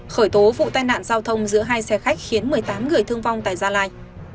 khởi tố vụ tai nạn giao thông giữa hai xe khách khiến một mươi tám người thương vong tại gia lai